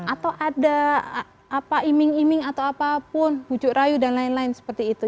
atau ada iming iming atau apapun bujuk rayu dan lain lain seperti itu